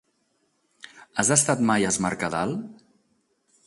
Has estat mai a Es Mercadal?